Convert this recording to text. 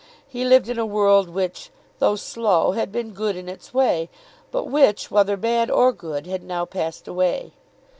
He lived in a world which, though slow, had been good in its way; but which, whether bad or good, had now passed away.